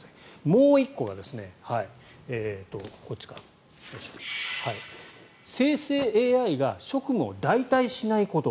もう１個が、生成ＡＩが職務を代替しないこと。